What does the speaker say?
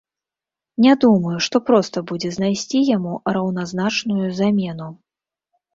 Не думаю, што проста будзе знайсці яму раўназначную замену.